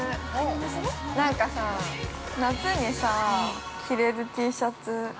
◆なんかさ、夏に着れるＴシャツ。